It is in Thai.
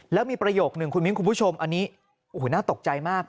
แล้วมีประโยคนึงคุณมิ้นคุณผู้ชมอันนี้โอ้โหน่าตกใจมาก